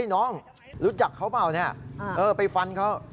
น้องรู้จักเขาเปล่าเนี่ยไปฟันเขา